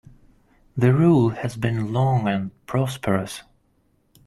The rule has been long and prosperous.